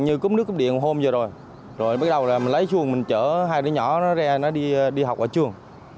như cúp nước cúp điện hôm vừa rồi rồi bắt đầu lấy chuồng mình chở hai đứa nhỏ ra đi học ở trường